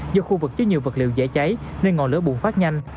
do khu vực chứa nhiều vật liệu dễ cháy nên ngọn lửa bùng phát nhanh